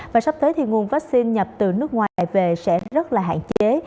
và sắp tới thì nguồn vaccine nhập từ nước ngoài về sẽ rất là hạn chế